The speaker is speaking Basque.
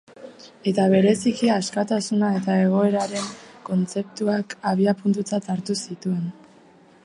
Eta bereziki, askatasuna eta egoeraren kontzeptuak abiapuntutzat hartu zituen.